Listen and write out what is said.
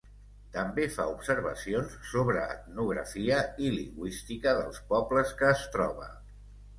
També fa observacions sobre etnografia i lingüística dels pobles que es troba.